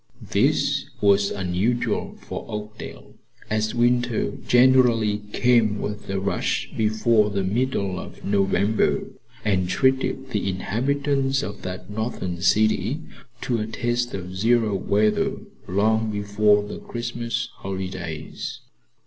This was unusual for Oakdale, as winter generally came with a rush before the middle of November, and treated the inhabitants of that northern city to a taste of zero weather long before the Christmas holidays.